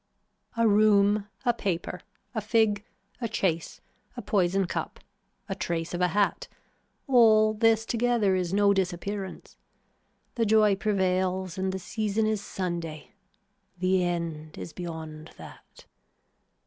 A room, a paper, a fig, a chase, a poison cup, a trace of a hat, all this together is no disappearance. The joy prevails and the season is Sunday. The end is beyond that.